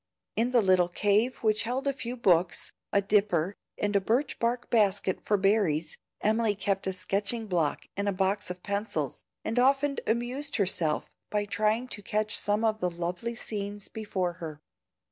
In the little cave which held a few books, a dipper, and a birch bark basket for berries, Emily kept a sketching block and a box of pencils, and often amused herself by trying to catch some of the lovely scenes before her.